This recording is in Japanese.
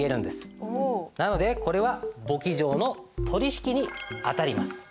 なのでこれは簿記上の取引に当たります。